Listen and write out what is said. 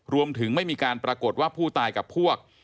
รวมถึงไม่มีการปรากฏว่าผู้ตายกับพวก